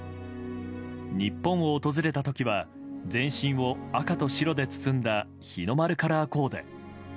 日本を訪れた時は全身を赤と白で包んだ日の丸カラーコーデ。